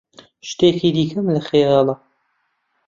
شتێکی دیکەم لە خەیاڵە.